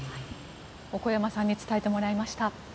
小古山さんに伝えてもらいました。